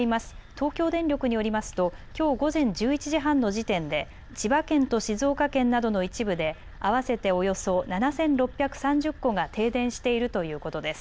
東京電力によりますときょう午前１１時半の時点で千葉県と静岡県などの一部で合わせておよそ７６３０戸が停電しているということです。